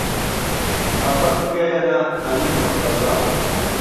قاقەز بگهیهنه عهلی موڕتەزا